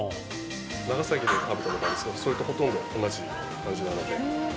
長崎でも食べたことあるんですけど、それとほとんど同じ感じなので。